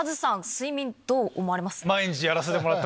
睡眠どう思われます？